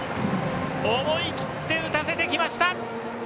思い切って打たせていきました。